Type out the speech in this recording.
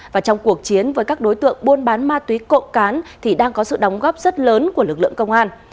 và trong cuộc chiến với các đối tượng buôn bán ma túy cộng cán thì đang có sự đóng góp rất lớn của lực lượng công an